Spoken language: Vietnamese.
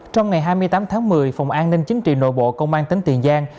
trong ngày hai mươi tám tháng một mươi phòng an ninh chính trị nội bộ công an tỉnh tiền giang